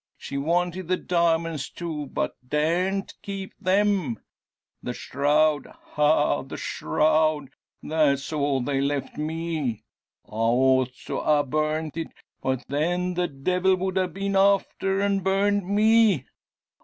She wanted the diamonds, too, but daren't keep them. The shroud! Ha! the shroud! That's all they left me. I ought to a' burnt it. But then the devil would a' been after and burned me!